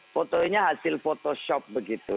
fotonya hasil photoshop begitu